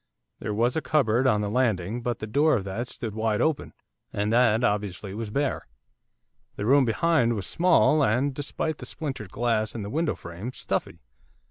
There was a cupboard on the landing, but the door of that stood wide open, and that obviously was bare. The room behind was small, and, despite the splintered glass in the window frame, stuffy.